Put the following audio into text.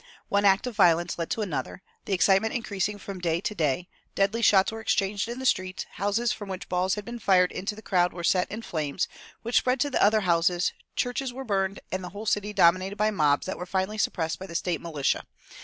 One act of violence led to another, the excitement increasing from day to day; deadly shots were exchanged in the streets, houses from which balls had been fired into the crowd were set in flames, which spread to other houses, churches were burned, and the whole city dominated by mobs that were finally suppressed by the State militia.